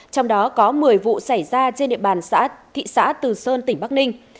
trong đó có một mươi vụ xảy ra trên địa bàn xã thị xã từ sơn tỉnh bắc ninh